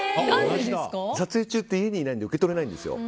撮影中って家にいないので受け取れないんですよ。